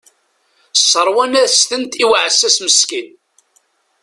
Sseṛwan-as-tent i uɛessas meskin.